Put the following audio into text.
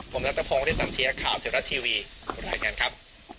ผมรัฐพงษ์อดีตสันเทียข่าวเศรษฐ์รัฐทีวีขอบคุณผ่านกันครับ